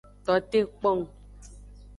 Tote kpong.